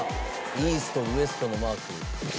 「イーストウエストのマーク」